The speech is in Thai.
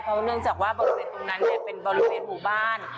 เพราะเนื่องจากว่าบริเวณตรงนั้นเป็นบริเวณหมู่บ้าน